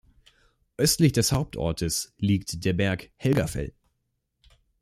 Östlich des Hauptortes liegt der Berg Helgafell.